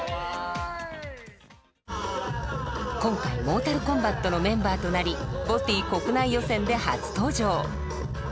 今回モータルコンバットのメンバーとなりＢＯＴＹ国内予選で初登場。